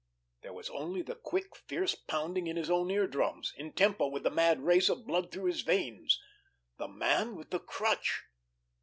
There was only the quick, fierce pounding in his own eardrums, in tempo with the mad race of blood through his veins. The Man with the Crutch!